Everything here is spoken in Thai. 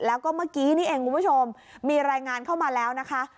แล้วก็เมื่อกี้นี่เองคุณผู้ชมมีรายงานเข้ามาแล้วนะคะ